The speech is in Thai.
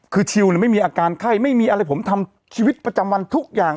คือชิลไม่มีอาการไข้ไม่มีอะไรผมทำชีวิตประจำวันทุกอย่าง